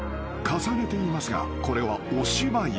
重ねて言いますがこれはお芝居です］